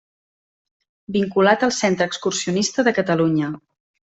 Vinculat al Centre Excursionista de Catalunya.